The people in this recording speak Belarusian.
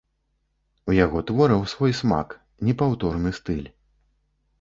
У яго твораў свой смак, непаўторны стыль.